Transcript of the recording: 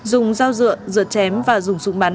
dùng dao dựa dượt chém và dùng súng bắn